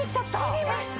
切りました。